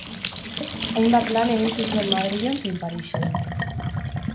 Hainbat lan egin zituen Madrilen zein Parisen.